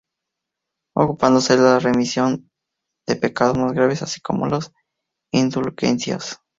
Ocupándose de la remisión de los pecados más graves, así como las indulgencias.